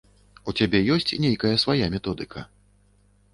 У цябе ёсць нейкая свая методыка?